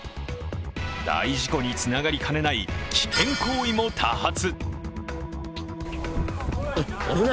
大事故につながりかねない危険行為も多発。